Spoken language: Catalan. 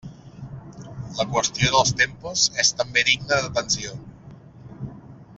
La qüestió dels tempos és també digna d'atenció.